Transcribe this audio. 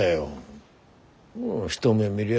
一目見りゃ